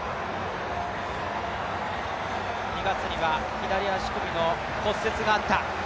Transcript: ２月には左足首の骨折があった。